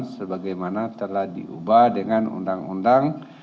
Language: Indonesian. sebagaimana telah diubah dengan undang undang